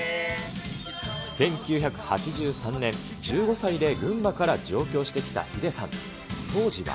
１９８３年、１５歳で群馬から上京してきたヒデさん。